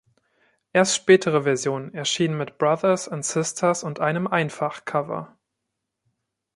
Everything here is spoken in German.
Erst spätere Versionen erscheinen mit „brothers and sisters“ und einem Einfach-Cover.